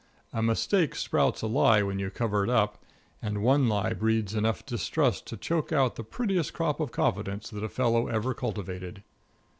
A mistake sprouts a lie when you cover it up. And one lie breeds enough distrust to choke out the prettiest crop of confidence that a fellow ever cultivated.